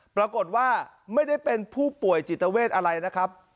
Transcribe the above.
ปรากฏว่าไม่ได้เป็นผู้ป่วยจิตเวทอะไรนะครับ